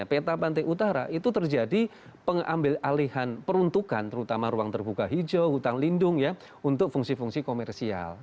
peta pantai utara itu terjadi pengambil alihan peruntukan terutama ruang terbuka hijau hutang lindung ya untuk fungsi fungsi komersial